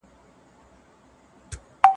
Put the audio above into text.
رسول الله بد اخلاق نه درلودل.